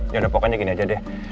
yaudah pokoknya gini aja deh